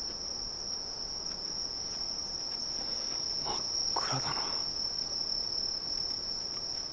真っ暗だな。